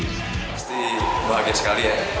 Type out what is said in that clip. pasti bahagia sekali ya